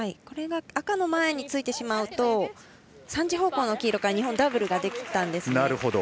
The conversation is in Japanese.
これが赤の前についてしまうと３時方向の黄色から日本、ダブルができたんですね。